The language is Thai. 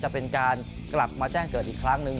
จะเป็นการกลับมาแจ้งเกิดอีกครั้งหนึ่ง